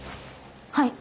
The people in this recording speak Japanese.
はい。